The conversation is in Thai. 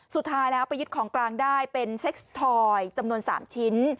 สุดท้ายแล้วไปยึดของกลางได้เป็นเซ็กส์ทอยจำนวน๓ชิ้น